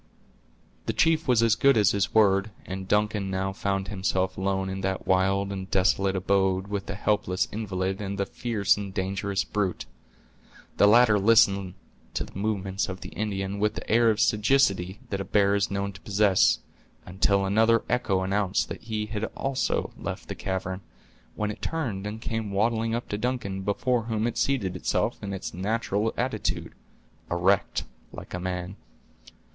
The chief was as good as his word, and Duncan now found himself alone in that wild and desolate abode with the helpless invalid and the fierce and dangerous brute. The latter listened to the movements of the Indian with that air of sagacity that a bear is known to possess, until another echo announced that he had also left the cavern, when it turned and came waddling up to Duncan before whom it seated itself in its natural attitude, erect like a man.